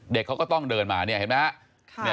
เด็กเขาก็ต้องเดินมาเนี่ยเห็นไหมครับ